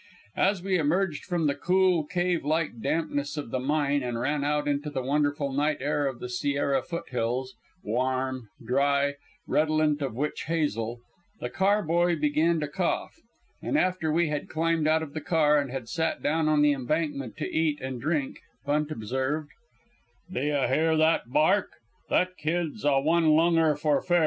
As we emerged from the cool, cave like dampness of the mine and ran out into the wonderful night air of the Sierra foothills, warm, dry, redolent of witch hazel, the carboy began to cough, and, after we had climbed out of the car and had sat down on the embankment to eat and drink, Bunt observed: "D'ye hear that bark? That kid's a one lunger for fair.